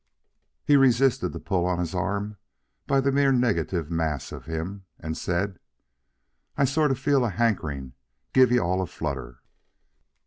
He resisted the pull on his arm by the mere negative mass of him, and said: "I sort of feel a hankering to give you all a flutter."